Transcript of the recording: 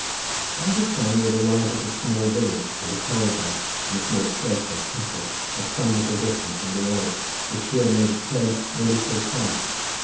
By this time we had arrived at a small village, with a toll bar and a small church or chapel at some little distance from the road, which here made a turn nearly full south.